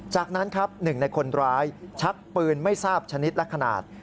จากนั้นครับหนึ่งในคนร้ายชักปืนไม่ทราบชนิดและขนาด